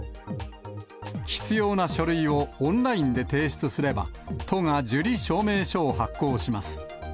必要な書類をオンラインで提出すれば、都が受理証明書を発行します。